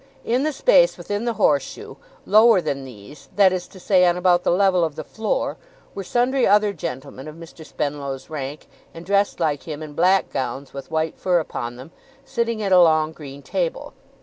In the space within the horse shoe, lower than these, that is to say, on about the level of the floor, were sundry other gentlemen, of Mr. Spenlow's rank, and dressed like him in black gowns with white fur upon them, sitting at a long green table.